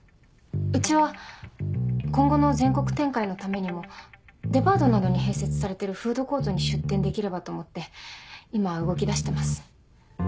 うちは今後の全国展開のためにもデパートなどに併設されてるフードコートに出店できればと思って今動きだしてます。